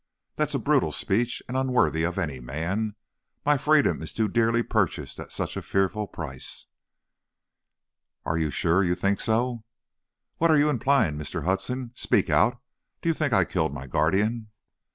"That is a brutal speech and unworthy of any man! My freedom is too dearly purchased at such a fearful price!" "Are you sure you think so?" "What are you implying, Mr. Hudson? Speak out! Do you think I killed my guardian?"